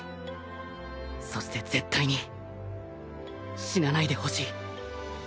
そして絶対に死なないでほしい。